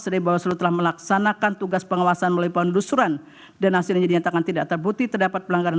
sedangkan bawaslu telah melaksanakan tugas pengawasan melalui pengelusuran dan hasilnya dinyatakan tidak terbukti terdapat pelanggaran